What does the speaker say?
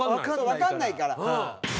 わかんないから。